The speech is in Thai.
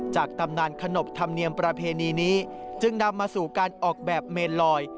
ตำนานขนบธรรมเนียมประเพณีนี้จึงนำมาสู่การออกแบบเมนลอย